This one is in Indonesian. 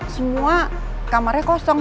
semua kamarnya kosong